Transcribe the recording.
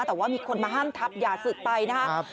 แต่ว่ามีคนมาห้ามทับอย่าศึกไปนะครับ